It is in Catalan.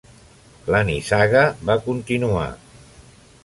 La nissaga va continuar.